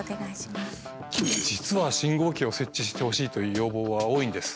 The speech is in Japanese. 実は信号機を設置してほしいという要望は多いんです。